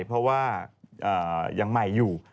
เพราะว่ายังใหม่อยู่